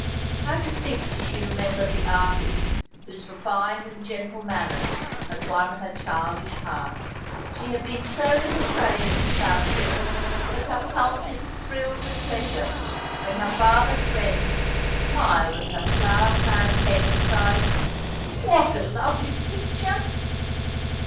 How distinctly she remembered the artist whose refined and gentle manners had won her childish heart ! She had been so little praised at South Hill that her pulses thrilled with pleasure when her father's friend smiled at her flower crowned head and cried :' What a lovely picture